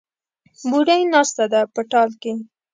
بوډۍ ناسته ده په ټال کې